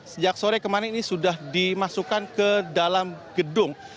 sejak sore kemarin ini sudah dimasukkan ke dalam gedung